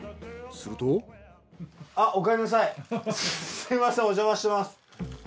すみませんおじゃましてます。